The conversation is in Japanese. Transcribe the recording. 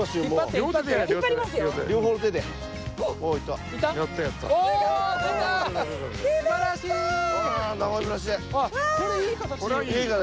形もすばらしい。